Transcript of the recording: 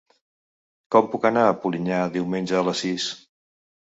Com puc anar a Polinyà diumenge a les sis?